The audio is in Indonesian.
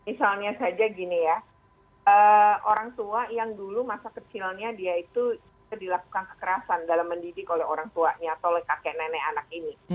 misalnya saja gini ya orang tua yang dulu masa kecilnya dia itu dilakukan kekerasan dalam mendidik oleh orang tuanya atau oleh kakek nenek anak ini